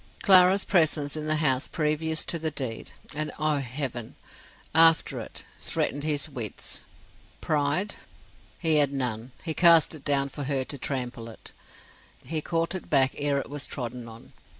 Clara's presence in the house previous to the deed, and, oh, heaven! after it, threatened his wits. Pride? He had none; he cast it down for her to trample it; he caught it back ere it was trodden on.